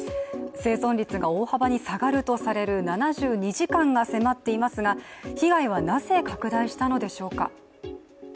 生存率が大幅に下がるといわれる７２時間が迫っていますが被害はなぜ拡大したのでしょうか。